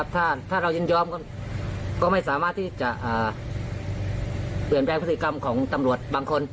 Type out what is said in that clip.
ถ้าเรายินยอมก็ไม่สามารถที่จะเปลี่ยนแปลงพฤติกรรมของตำรวจบางคน